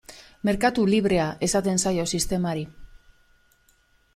Merkatu librea esaten zaio sistemari.